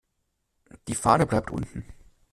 Die Fahne bleibt unten.